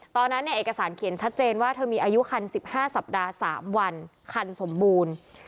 ตอนนั้นเนี่ยเอกสารเขียนชัดเจนว่าเธอมีอายุคัน๑๕สัปดาห์๓วันคันสมบูรณ์